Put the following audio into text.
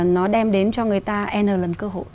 nó đem đến cho người ta n lần cơ hội